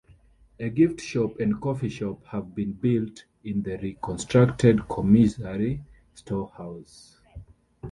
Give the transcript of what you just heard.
A giftshop and coffeeshop have been built in the re-constructed commissary storehouse.